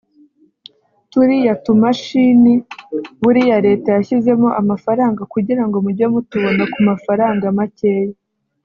turiya tumashini buriya Leta yashyizemo amafaranga kugira ngo mujye mutubona ku mafaranga makeya